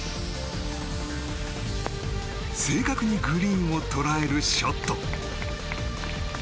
正確にグリーンをとらえるショット。